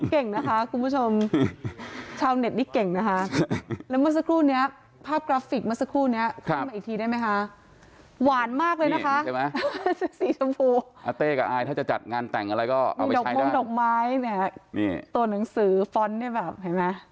ครับแล้วผมก็พร้อมปรับตัวใหม่ครับพี่